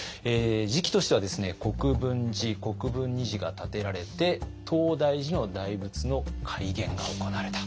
時期としては国分寺・国分尼寺が建てられて東大寺の大仏の開眼が行われた。